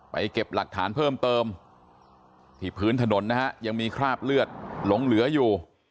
เก็บหลักฐานเพิ่มเติมที่พื้นถนนนะฮะยังมีคราบเลือดหลงเหลืออยู่